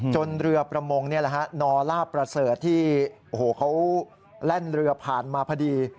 จนเรือประมงนี่นอลาประเสริฐที่เขาแร่นเรือผ่านมาพอดี